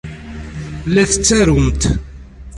La tettarumt.